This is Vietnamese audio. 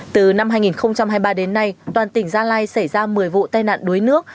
từ năm hai nghìn hai mươi ba đến nay toàn tỉnh gia lai xảy ra một mươi vụ tai nạn đuối nước